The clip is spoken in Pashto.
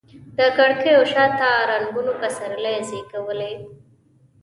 د کړکېو شاته رنګونو پسرلي زیږولي